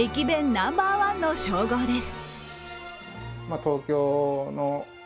ナンバーワンの称号です。